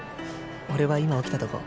俺は今起きたとこ」。